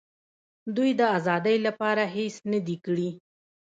دوی د آزادۍ لپاره هېڅ نه دي کړي.